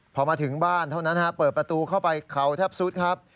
พอมาถึงบ้านเพิ่มประตูเข้าไปเขาทับซุดครับ